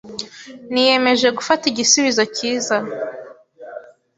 Niyemeje gufata igisubizo cyiza.